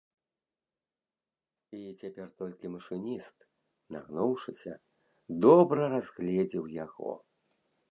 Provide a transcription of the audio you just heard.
І цяпер толькі машыніст, нагнуўшыся, добра разгледзеў яго.